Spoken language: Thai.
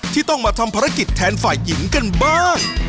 ที่ต้องมาทำภารกิจแทนฝ่ายหญิงกันบ้าง